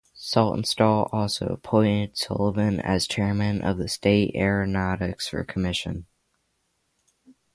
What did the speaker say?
Saltonstall also appointed Sullivan as chairman of the state aeronautics commission.